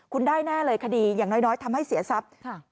คุณได้แน่เลยคดีอย่างน้อยทำให้เสียทรัพย์